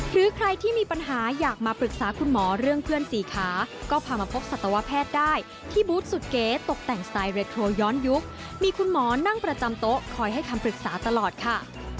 หรือใครที่มีปัญหาอยากมาปรึกษาคุณหมอเรื่องเพื่อนสี่ขาก็พามาพบสัตวแพทย์ได้ที่บูธสุดเก๋ตกแต่งสไตลเรทโทย้อนยุคมีคุณหมอนั่งประจำโต๊ะคอยให้คำปรึกษาตลอดค่ะ